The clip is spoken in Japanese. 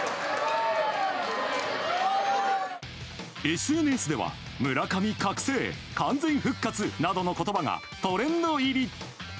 ＳＮＳでは「村上覚醒」「完全復活」などの言葉がトレンド入り。